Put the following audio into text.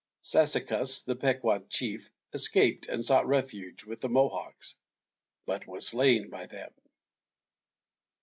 Sassacus, the Pequot chief, escaped and sought refuge with the Mohawks, but was slain by them.